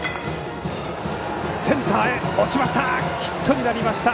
センターへ落ちました。